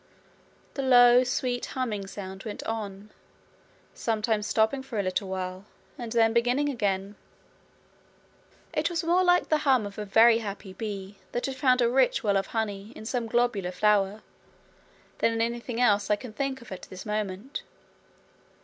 The low sweet humming sound went on, sometimes stopping for a little while and then beginning again. It was more like the hum of a very happy bee that had found a rich well of honey in some globular flower, than anything else I can think of at this moment.